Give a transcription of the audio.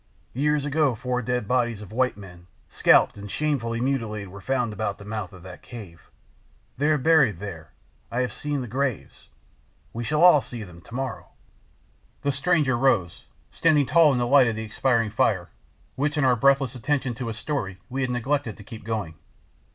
Years ago four dead bodies of white men, scalped and shamefully mutilated, were found about the mouth of that cave. They are buried there; I have seen the graves—we shall all see them to morrow." The stranger rose, standing tall in the light of the expiring fire, which in our breathless attention to his story we had neglected to keep going.